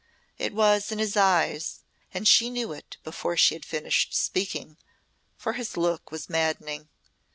It was in his eyes and she knew it before she had finished speaking, for his look was maddening.